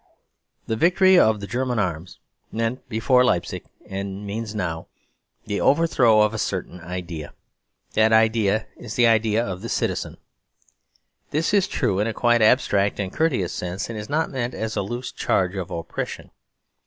The victory of the German arms meant before Leipzic, and means now, the overthrow of a certain idea. That idea is the idea of the Citizen. This is true in a quite abstract and courteous sense; and is not meant as a loose charge of oppression.